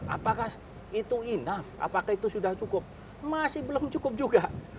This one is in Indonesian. apakah itu enough apakah itu sudah cukup masih belum cukup juga